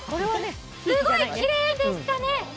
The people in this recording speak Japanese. すごいきれいでしたね。